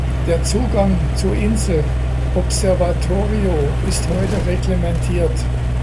Der Zugang zur Insel Observatorio ist heute reglementiert.